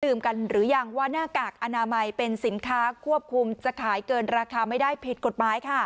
กันหรือยังว่าหน้ากากอนามัยเป็นสินค้าควบคุมจะขายเกินราคาไม่ได้ผิดกฎหมายค่ะ